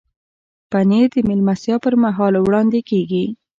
پنېر د میلمستیا پر مهال وړاندې کېږي.